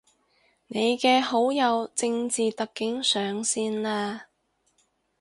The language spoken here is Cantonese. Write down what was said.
你嘅好友正字特警上線喇